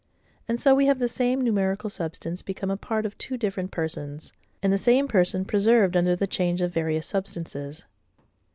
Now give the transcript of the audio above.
And so we have the same numerical substance become a part of two different persons; and the same person preserved under the change of various substances.